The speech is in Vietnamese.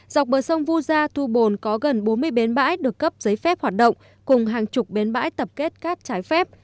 dọc bờ sông vu gia thu bồn có gần bốn mươi bến bãi được cấp giấy phép hoạt động cùng hàng chục bến bãi tập kết cát trái phép